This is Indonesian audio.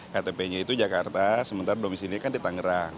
ktpnya itu jakarta sementara domisi ini kan di tangerang